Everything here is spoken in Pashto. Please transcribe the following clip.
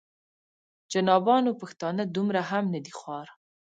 جنابانو پښتانه دومره هم نه دي خوار.